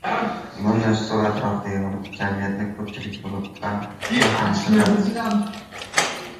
Bunday stol atrofida yig‘ilib jamiyatni ko‘pchilik bo‘lib, bahamjihat